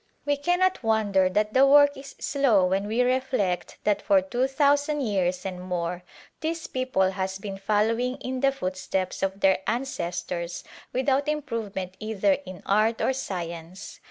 We cannot won der that the work is slow when we reflect that for two thousand years and more this people has been following in the footsteps of their ancestors without improvement either in art or science.